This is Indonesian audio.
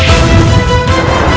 jangan lupa untuk berlangganan